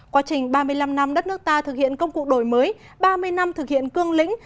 quá trình ba mươi năm năm đất nước ta thực hiện công cụ đổi mới ba mươi năm thực hiện cương lĩnh